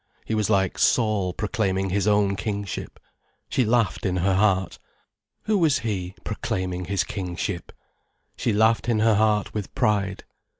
He was like Saul proclaiming his own kingship. She laughed in her heart. Who was he, proclaiming his kingship? She laughed in her heart with pride.